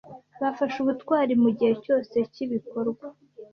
Bafashe ubutwari mugihe cyose cyibikorwa.